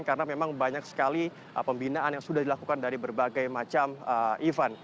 karena memang banyak sekali pembinaan yang sudah dilakukan dari berbagai macam event